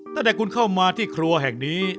ตั้งแต่คุณเข้ามาที่ครัวแห่งนี้